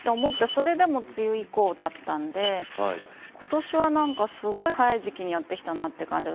それでも梅雨以降だったんで今年は、すごい早い時期にやってきたという感じで。